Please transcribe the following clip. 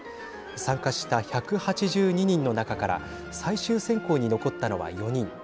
参加した１８２人の中から最終選考に残ったのは４人。